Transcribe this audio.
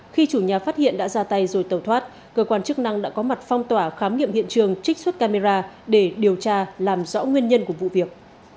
khi chủ nhà phát hiện đã ra tay rồi tẩu thoát cơ quan chức năng đã có mặt phong tỏa khám nghiệm hiện trường trích xuất camera để điều tra làm rõ nguyên nhân của vụ việc